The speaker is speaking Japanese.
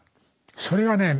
それがね